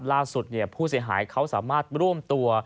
ผู้เสียหายเขาสามารถร่วมตัว